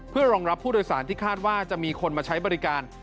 เพื่อรองรับผู้โดยสารที่คาดว่าจะมีคนมาใช้บริการ